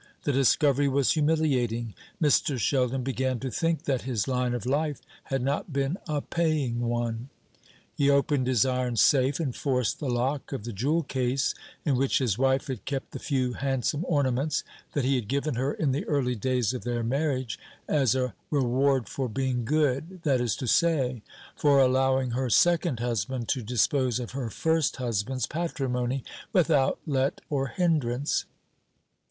The discovery was humiliating. Mr. Sheldon began to think that his line of life had not been a paying one. He opened his iron safe, and forced the lock of the jewel case in which his wife had kept the few handsome ornaments that he had given her in the early days of their marriage, as a reward for being good that is to say, for allowing her second husband to dispose of her first husband's patrimony without let or hindrance.